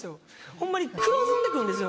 ホンマに黒ずんでくるんですよ